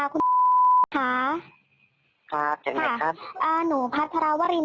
คุณค่ะค่ะอย่างไรครับอ่าหนูพัฒนาวริน